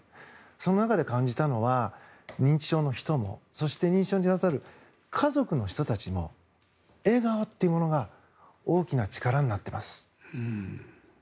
その中で感じたのは認知症の人もそして、認知症の人の家族の人たちも笑顔というものが大きな力になっています。